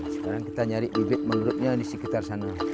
sekarang kita nyari bibit mangrovenya di sekitar sana